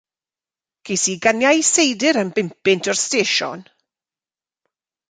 Ges i ganiau seidr am bunt o'r sdesion.